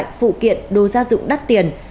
phụ kiện đồ gia dụng đắt tiền